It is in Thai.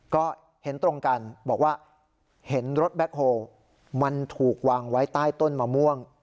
ก็เห็นตรงกันบอกว่าเห็นรถแบ็คโฮลมันถูกวางไว้ใต้ต้นมะม่วง